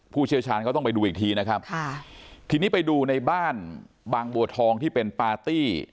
เชี่ยวชาญเขาต้องไปดูอีกทีนะครับค่ะทีนี้ไปดูในบ้านบางบัวทองที่เป็นปาร์ตี้